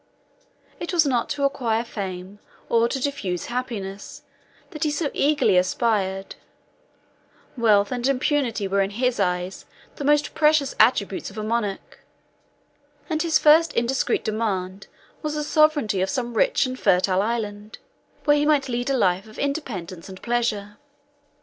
It was not to acquire fame, or to diffuse happiness, that he so eagerly aspired: wealth and impunity were in his eyes the most precious attributes of a monarch; and his first indiscreet demand was the sovereignty of some rich and fertile island, where he might lead a life of independence and pleasure.